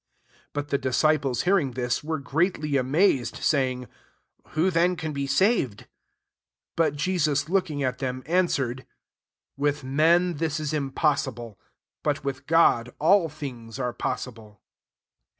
25 But the disciples hearing thU^ were greatly amazed, saying, " Who fiien can be saved ?" 26 But Jesus looking at them, answer ed, " With men this is impos sible ; but with God all thmgs are possible."